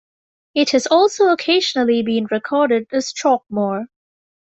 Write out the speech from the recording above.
It has also occasionally been recorded as "Chalkmore".